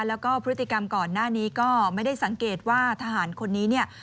แล้วก็พฤติกรรมก่อนหน้านี้ก็ไม่ได้สังเกตว่าทหารคนนี้เนี่ย